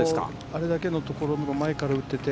あれだけのところ、前から打ってて、